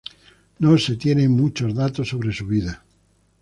No se tienen muchos datos sobre su vida.